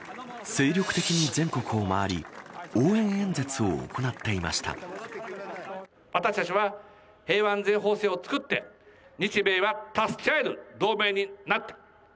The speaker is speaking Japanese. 精力的に全国を回り、応援演私たちは平和安全法制を作って、日米は助け合える同盟になった。